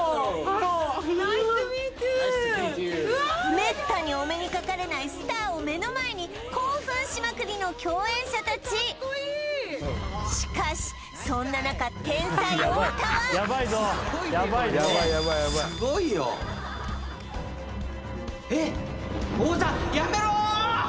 めったにお目にかかれないスターを目の前に興奮しまくりの共演者達しかしそんな中天才太田は太田やめろー！